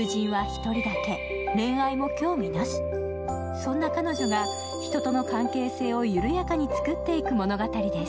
そんな彼女が人との関係性を緩やかに作っていく物語です。